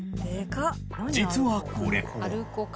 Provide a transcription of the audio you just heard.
実はこれ。